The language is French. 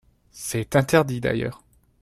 C’est interdit, d’ailleurs